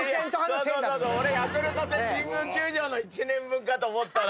俺ヤクルト戦神宮球場の１年分かと思ったら。